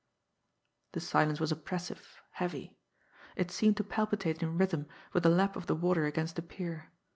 The silence was oppressive, heavy; it seemed to palpitate in rhythm with the lap of the water against the pier.